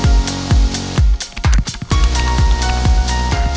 สวัสดีค่ะชื่ออังนะคะอังฆานาปัญญาน้อยค่ะ